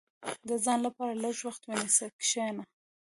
• د ځان لپاره لږ وخت ونیسه، کښېنه.